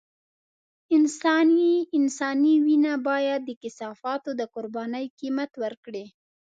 انساني وينه بايد د کثافاتو د قربانۍ قيمت ورکړي.